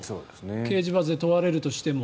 刑事罰で問われるとしても。